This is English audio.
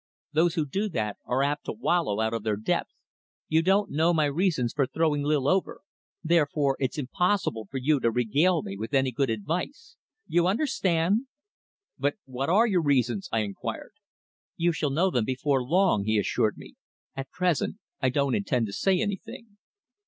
Those who do that are apt to wallow out of their depth. You don't know my reasons for throwing Lil over; therefore it's impossible for you to regale me with any good advice. You understand?" "But what are your reasons?" I inquired. "You shall know them before long," he assured me. "At present I don't intend to say anything."